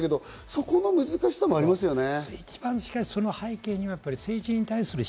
そこの難しさもありますよね。